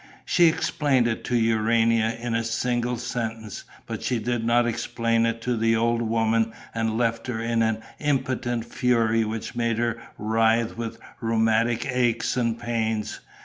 She explained it to Urania in a single sentence. But she did not explain it to the old woman and left her in an impotent fury which made her writhe with rheumatic aches and pains.